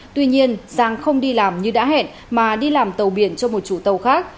tuy nhiên giang không đi làm như đã hẹn mà đi làm tàu biển cho một chủ tàu khác